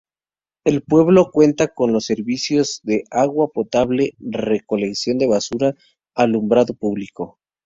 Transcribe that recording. El pueblo cuenta con los servicios de agua potable, recolección de basura, alumbrado público.